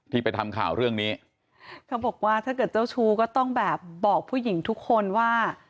ไปทำข่าวเรื่องนี้เขาบอกว่าถ้าเกิดเจ้าชู้ก็ต้องแบบบอกผู้หญิงทุกคนว่า